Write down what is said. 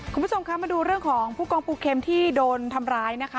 คุณผู้ชมคะมาดูเรื่องของผู้กองปูเข็มที่โดนทำร้ายนะคะ